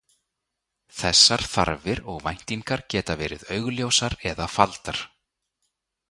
Þessar þarfir og væntingar geta verið augljósar eða faldar.